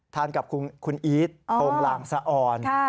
ทานกับคุณอีทโทงหลังสะออน